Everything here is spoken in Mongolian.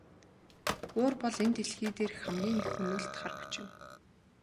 Уур бол энэ дэлхий дээрх хамгийн их хөнөөлт хар хүч юм.